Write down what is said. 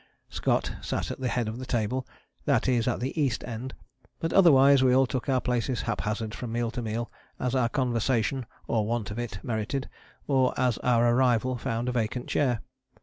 Scott sat at the head of the table, that is at the east end, but otherwise we all took our places haphazard from meal to meal as our conversation, or want of it, merited, or as our arrival found a vacant chair.